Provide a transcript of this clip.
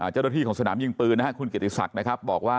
เจ้าหน้าที่ของสนามยิ่งปืนนะครับคุณกิติศักดิ์นะครับ